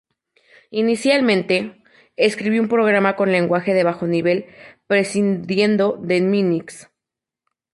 Inicialmente, escribió un programa con lenguaje de bajo nivel prescindiendo de Minix.